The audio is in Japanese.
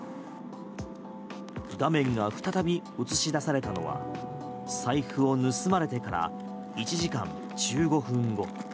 座面が再び映し出されたのは財布を盗まれてから１時間１５分後。